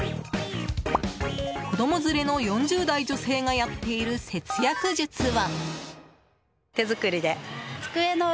子供連れの４０代女性がやっている節約術は。